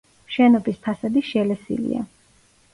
შენობის ფასადი შელესილია.